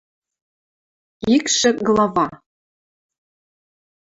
ИКШӸ ГЛАВА